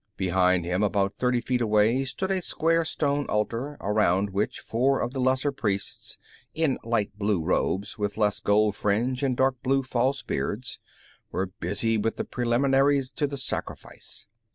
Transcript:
Behind him, about thirty feel away, stood a square stone altar, around which four of the lesser priests, in light blue robes with less gold fringe and dark blue false beards, were busy with the preliminaries to the sacrifice.